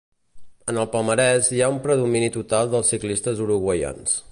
En el palmarès hi ha un predomini total dels ciclistes uruguaians.